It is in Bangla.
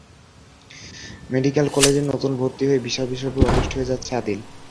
মেডিকেল কলেজে নতুন ভর্তি হয়েই বিশাল বিশাল বইয়ে অতিষ্ঠ হয়ে যাচ্ছে আদিল।